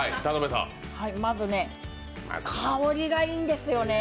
まずね、香りがいいんですよね